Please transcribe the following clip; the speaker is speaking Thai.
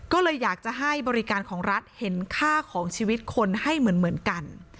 ก็เลยอยากจะให้บริการของรัฐเห็นค่าของชีวิตคนให้เหมือนกัน